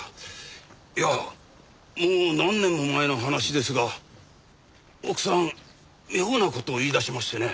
いやもう何年も前の話ですが奥さん妙な事を言い出しましてね。